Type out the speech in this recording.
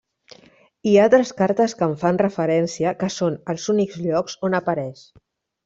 Hi ha tres cartes que en fan referència que són als únics llocs on apareix.